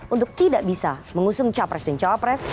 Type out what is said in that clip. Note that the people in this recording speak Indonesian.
untuk tidak bisa mengusung capres dan cawapres